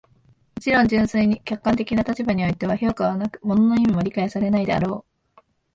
もちろん、純粋に客観的な立場においては評価はなく、物の意味も理解されないであろう。